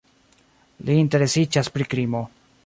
Li interesiĝas pri krimo.